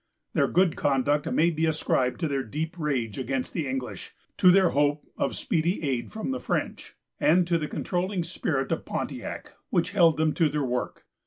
Their good conduct may be ascribed to their deep rage against the English, to their hope of speedy aid from the French, and to the controlling spirit of Pontiac, which held them to their work.